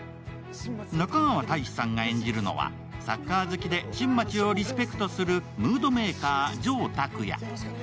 中川大志さんが演じるのはサッカー好きで新町をリスペクトするムードメーカー、城拓也。